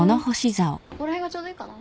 ここら辺がちょうどいいかな。